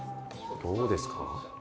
どうですか？